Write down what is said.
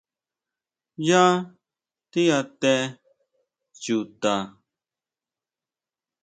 ¿Yá tíʼate chuta?